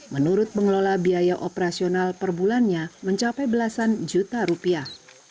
menurut pengelola biaya operasional per bulannya mencapai belasan juta rupiah